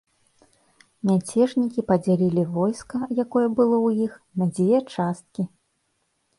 Мяцежнікі падзялілі войска, якое было ў іх, на дзве часткі.